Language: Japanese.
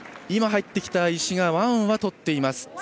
今入ってきた石がワンはとっています。